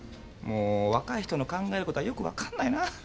もう若い人の考えることはよく分かんないな。